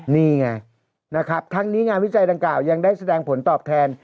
นี่ไงนะครับทั้งนี้งานวิจัยดังกล่ายังได้แสดงผลตอบแทน